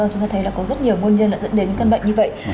chúng ta thấy là có rất nhiều nguồn nhân dẫn đến những căn bệnh như vậy